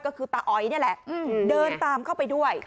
ก็คือตาออยนี่แหละเดินตามเข้าไปด้วย